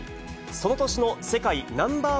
その年の世界ナンバー１